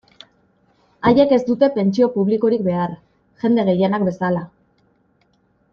Haiek ez dute pentsio publikorik behar, jende gehienak bezala.